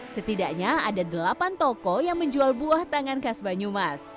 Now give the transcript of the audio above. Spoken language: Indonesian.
setidaknya ada delapan toko yang menjual buah tangan khas banyumas